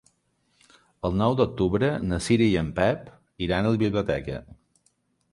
El nou d'octubre na Cira i en Pep iran a la biblioteca.